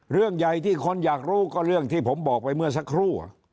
เรื่องใหญ่ที่คนอยากรู้ก็เรื่องที่ผมบอกไปเมื่อสักครู่